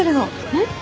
えっ？